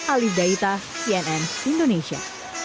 alif daita cnn indonesia